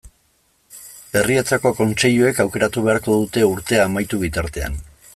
Herrietako kontseiluek aukeratu beharko dute urtea amaitu bitartean.